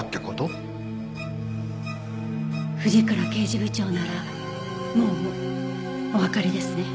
藤倉刑事部長ならもうおわかりですね？